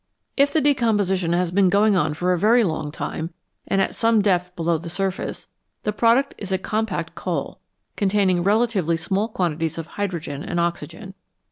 If the de composition has been going on for a very long time and at some depth below the surface, the product is a compact coal, containing relatively small quantities of hydrogen and oxygen.